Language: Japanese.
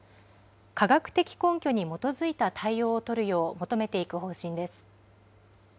科学的根拠に基づいた対応を取るよう求めていく方針です。